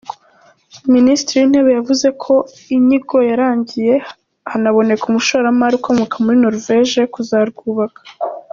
Minisitiri w’Intebe yavuze ko inyigo yarangiye, hanaboneka umushoramari ukomoka muri Norvège kuzarwubaka.